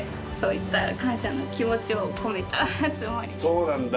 そうなんだ。